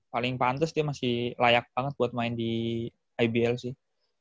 paling pantes dia masih layak banget buat main di ibl sih